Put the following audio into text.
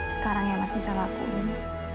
sekarang yang mas bisa lakukan